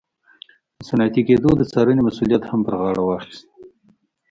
د صنعتي کېدو د څارنې مسوولیت هم پر غاړه واخیست.